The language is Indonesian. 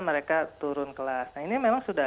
mereka turun kelas nah ini memang sudah